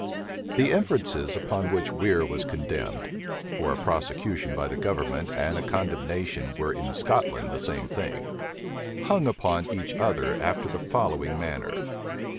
The inferences upon which Weir was condemned, (for a prosecution by the government and a condemnation were in Scotland the same thing,) hung upon each other after the following manner.